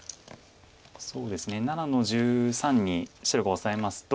そうですね７の十三に白がオサえますと。